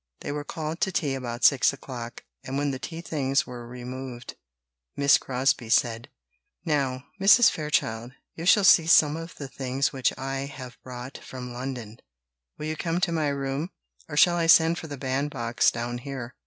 They were called to tea about six o'clock, and when the tea things were removed, Miss Crosbie said: "Now, Mrs. Fairchild, you shall see some of the things which I have brought from London; will you come to my room, or shall I send for the bandbox down here?"